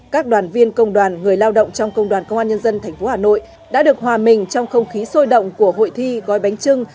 các đoàn viên công đoàn người lao động trong công đoàn công an nhân dân tp hà nội đã được hòa mình trong không khí sôi động của hội thi gói bánh trưng